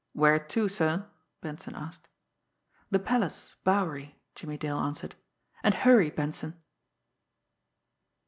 "Where to, sir?" Benson asked. "The Palace Bowery," Jimmie Dale answered. "And hurry, Benson!"